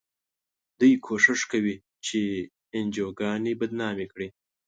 دوی کوښښ کوي چې انجوګانې بدنامې کړي.